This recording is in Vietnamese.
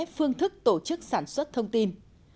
phương thức tổ chức sản xuất thông tin